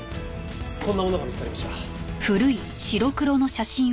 こんなものが見つかりました。